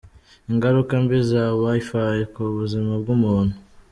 Ingaruka mbi za Wi-Fi ku buzima bw’umuntu.